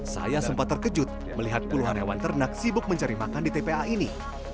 saya sempat terkejut melihat puluhan hewan ternak sibuk mencari makan di tpa ini